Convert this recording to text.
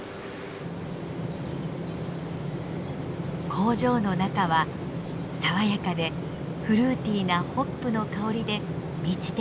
工場の中は爽やかでフルーティーなホップの香りで満ちていました。